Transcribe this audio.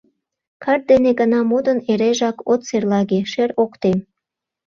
Карт дене гына модын, эрежак от серлаге, шер ок тем...